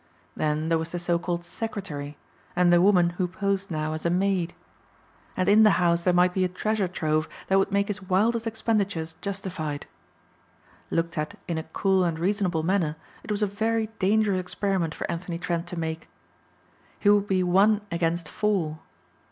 Then there was the so called secretary and the woman who posed now as a maid. And in the house there might be a treasure trove that would make his wildest expenditures justified. Looked at in a cool and reasonable manner it was a very dangerous experiment for Anthony Trent to make. He would be one against four.